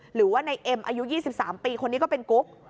หรือว่าในเอ็มอายุ๒๓ปีคนนี้ก็เป็นกุ๊ก